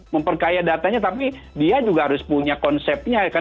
memperkaya datanya tapi dia juga harus punya konsepnya kan